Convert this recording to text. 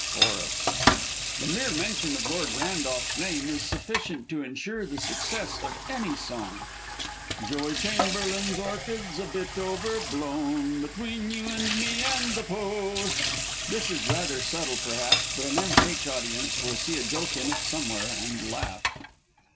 (Chorus.) (The mere mention of Lord Randolph's name is sufficient to ensure the success of any song.) Joey Chamberlain's orchid's a bit overblown, Between you and me and the Post! (_This is rather subtle, perhaps, but an M. H. audience will see a joke in it somewhere, and laugh.